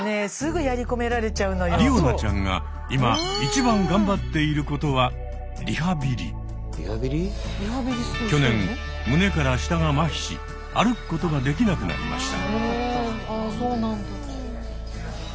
りおなちゃんが今一番頑張っていることは去年胸から下がまひし歩くことができなくなりました。